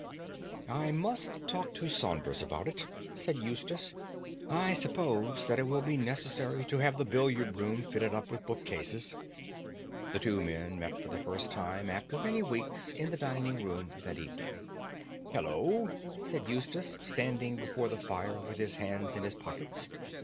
"I must talk to Saunders about it," said Eustace. "I suppose that it will be necessary to have the billiard room fitted up with book cases." The two men met for the first time after many weeks in the dining room that evening. "Hullo!" said Eustace, standing before the fire with his hands in his pockets.